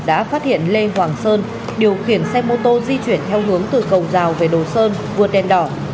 đã phát hiện lê hoàng sơn điều khiển xe mô tô di chuyển theo hướng từ cầu rào về đồ sơn vượt đèn đỏ